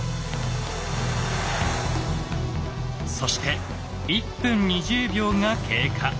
そして１分２０秒が経過。